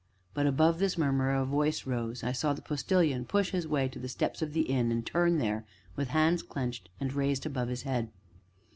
But, above this murmur rose a voice, and I saw the Postilion push his way to the steps of the inn, and turn there, with hands clenched and raised above his head.